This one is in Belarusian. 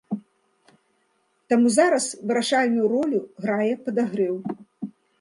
Таму зараз вырашальную ролю грае падагрэў.